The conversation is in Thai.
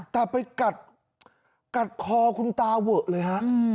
แต่ไปกัดคอคุณตาเวอะเลยฮะ